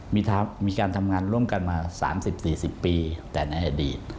มีการทำงานร่วมกันมา๓๐๔๐ปีแต่ในอดีต